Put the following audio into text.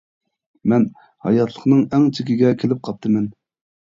مەن ھاياتلىقنىڭ ئەڭ چېكىگە كېلىپ قاپتىمەن.